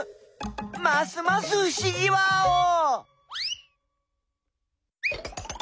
ますますふしぎワオー！